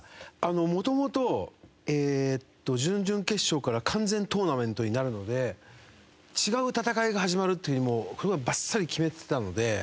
もともと準々決勝から完全トーナメントになるので違う戦いが始まるという風にもうバッサリ決めてたので。